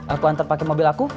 aku antar pakai mobil aku